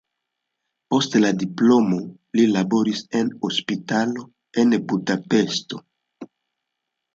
Post la diplomo li laboris en hospitalo en Budapeŝto.